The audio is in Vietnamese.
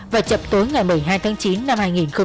và chập tối ngày một mươi hai tháng chín năm hai nghìn một mươi tám